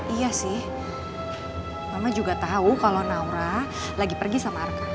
iya sih mama juga tau kalo naura lagi pergi sama arka